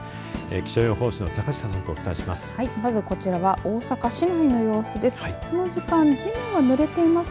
気象予報士の坂下さんとお伝えします。